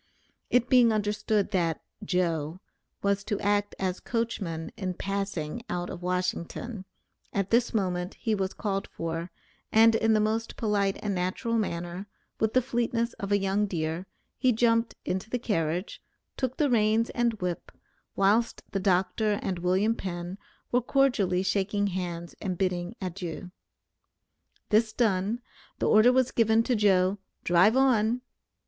It being understood that "Joe" was to act as coachman in passing out of Washington, at this moment he was called for, and in the most polite and natural manner, with the fleetness of a young deer, he jumped into the carriage, took the reins and whip, whilst the doctor and William Penn were cordially shaking hands and bidding adieu. This done, the order was given to Joe, "drive on."